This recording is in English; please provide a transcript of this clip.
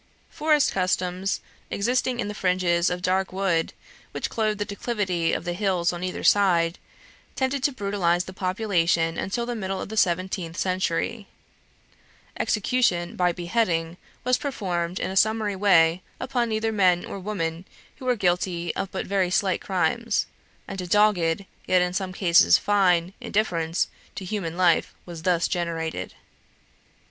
Forest customs, existing in the fringes of dark wood, which clothed the declivity of the hills on either side, tended to brutalize the population until the middle of the seventeenth century. Execution by beheading was performed in a summary way upon either men or women who were guilty of but very slight crimes; and a dogged, yet in some cases fine, indifference to human life was thus generated.